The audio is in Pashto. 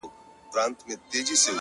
o سم د قصاب د قصابۍ غوندي ـ